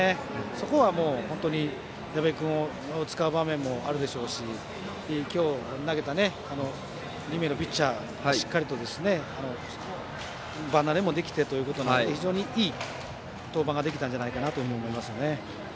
そこは本当に矢部君を使う場面もあるでしょうし今日投げた２名のピッチャーがしっかりと場慣れもできてということなので非常にいい登板ができたんじゃないかと思います。